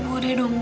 ibu udah dong